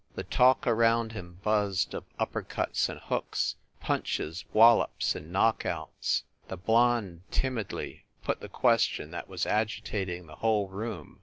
The talk around him buzzed of upper cuts and hooks, punches, wallops and knockouts. The blonde tim idly put the question that was agitating the whole room.